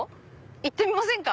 行ってみませんか？